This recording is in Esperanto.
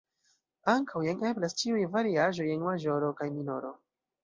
Ankaŭ jen eblas ĉiuj variaĵoj en maĵoro kaj minoro.